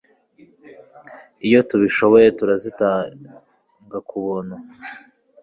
iyo tubishoboye turazitanga ku buntu